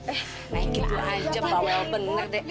eh naikin dulu aja mbak wel bener deh